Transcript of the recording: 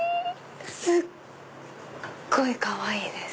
すっごいかわいいです！